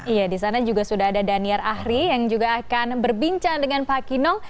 ya disana juga sudah ada daniar ahri yang juga akan berbincang dengan pak kinong